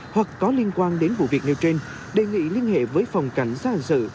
hoặc có liên quan đến vụ việc nêu trên đề nghị liên hệ với phòng cảnh gia hạn sự